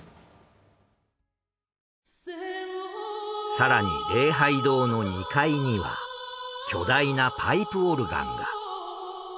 更に「礼拝堂」の２階には巨大なパイプオルガンが。